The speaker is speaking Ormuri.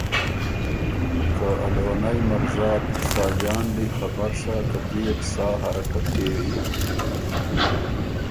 که ا لېوَنئ مرزا ت ساجان دی خبر سۀ که تُو يې بو سا حرکت کېوی۔